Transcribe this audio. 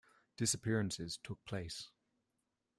Disappearances took place.